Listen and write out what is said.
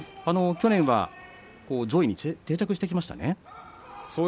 去年は上位に定着してきましたね。